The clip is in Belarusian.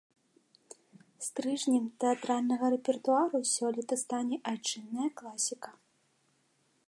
Стрыжнем тэатральнага рэпертуару сёлета стане айчынная класіка.